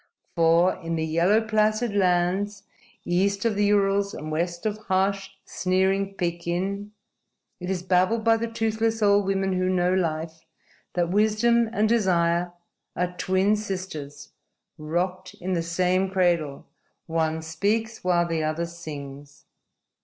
For, in the yellow, placid lands east of the Urals and west of harsh, sneering Pekin, it is babbled by the toothless old women who know life, that wisdom and desire are twin sisters rocked in the same cradle: one speaks while the other sings.